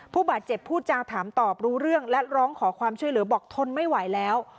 ผู้บาดเจ็บพูดจาถามตอบรู้เรื่องและร้องขอความช่วยเหลือบอกทนไม่ไหวแล้ว